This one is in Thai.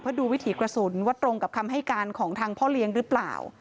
เพื่อดูวิถีกระสุนว่าตรงกับคำให้การของทางพ่อเลี้ยงหรือเปล่า